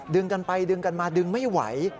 กันไปดึงกันมาดึงไม่ไหว